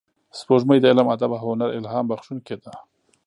سپوږمۍ د علم، ادب او هنر الهام بخښونکې ده